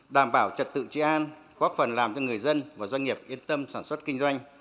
đảm bảo trật tự trị an góp phần làm cho người dân và doanh nghiệp yên tâm sản xuất kinh doanh